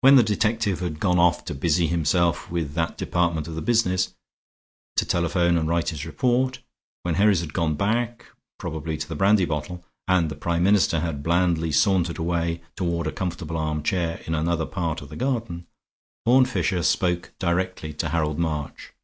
When the detective had gone off to busy himself with that department of the business, to telephone and write his report, when Herries had gone back, probably to the brandy bottle, and the Prime Minister had blandly sauntered away toward a comfortable armchair in another part of the garden, Horne Fisher spoke directly to Harold March.